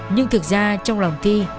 nhưng thực ra trong lòng thi